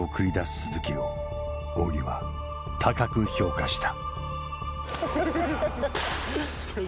鈴木を仰木は高く評価した。